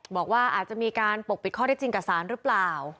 บอกว่าอาจจะมีการปกปิดข้อได้จริงกับสารหรือเปล่า